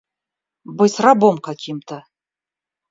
Быть рабом каким-то!